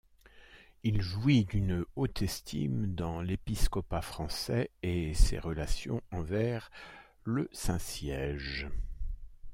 Il jouit d'une haute estime dans l'épiscopat français, et ses relations envers le Saint-Siège.